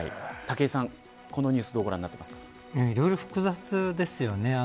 武井さん、このニュースどうご覧になっいろいろ複雑ですよね。